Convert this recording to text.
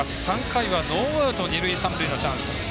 ３回はノーアウト二塁三塁のチャンス。